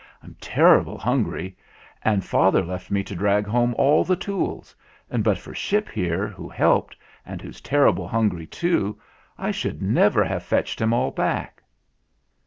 "I'm terrible hungry, and father left me to drag home all the tools, and but for Ship here, who helped, and who's terrible hungry too, I should never have fetched 'em all back."